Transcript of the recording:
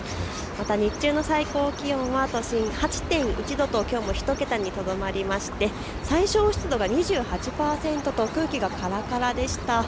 また日中の最高気温は都心８．１度ときょうも１桁にとどまりまして最小湿度が２８％と空気がからからでした。